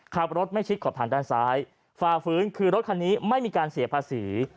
ขับรถไม่ชิดขอบทางด้านซ้ายฝ่าฟื้นคือรถคันนี้ไม่มีการเสียภาษี